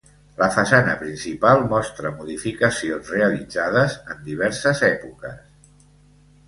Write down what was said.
La façana principal mostra modificacions realitzades en diverses èpoques.